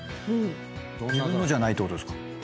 自分のじゃないってことですか？